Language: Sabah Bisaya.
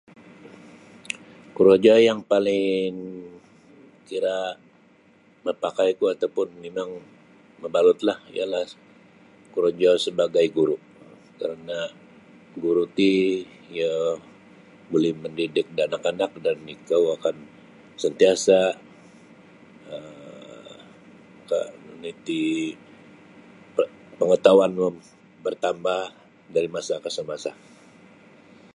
Korojo yang paling kira mapakaiku atau pun mimang mabalutlah ialah korojo sebagai guru kerana guru ti mendidik da anak-anak dan ikou akan sentiasa um maka nu iti pengetahuanmu bertambah dari masa ke semasa.